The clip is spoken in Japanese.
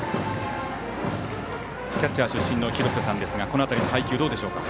キャッチャー出身の廣瀬さんですがこの当たりの配球はどうでしょうか？